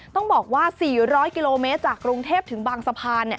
ต้องบอกว่า๔๐๐กิโลเมตรจากกรุงเทพถึงบางสะพาน